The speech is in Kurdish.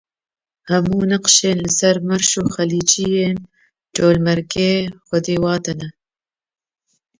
Hemû neqşên li ser merş û xalîçeyên Colemêrgê xwedî wate ne.